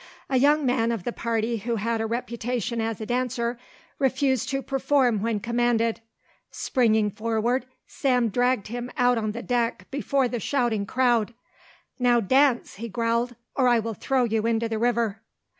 A young man of the party who had a reputation as a dancer refused to perform when commanded. Springing forward Sam dragged him out on the deck before the shouting crowd. "Now dance!" he growled, "or I will throw you into the river."